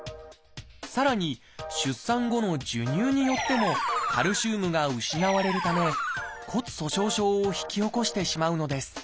さらに出産後の授乳によってもカルシウムが失われるため骨粗しょう症を引き起こしてしまうのです。